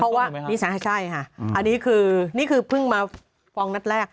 เพราะว่านิสัยใช่ค่ะอันนี้คือนี่คือเพิ่งมาฟ้องนัดแรก